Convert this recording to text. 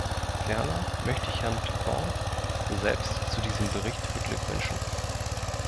Ferner möchte ich Herrn Toubon selbst zu diesem Bericht beglückwünschen.